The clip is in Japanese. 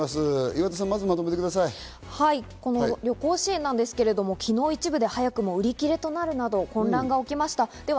岩田さん、まず、まとめてく旅行支援なんですけれども、昨日一部で早くも売り切れとなるなど混乱が起きました。